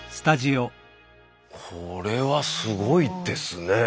これはすごいですね。